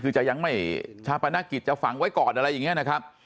คือจะยังไม่ชาปณิกิจจะฝั่งไว้ก่อน